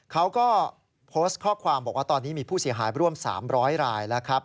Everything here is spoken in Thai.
เขาก็โพสต์ข้อความบอกว่าตอนนี้มีผู้เสียหายร่วม๓๐๐รายแล้วครับ